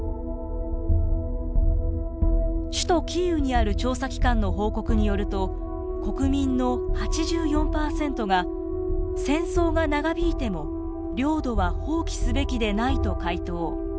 首都キーウにある調査機関の報告によると国民の８４％が戦争が長引いても領土は放棄すべきでないと回答。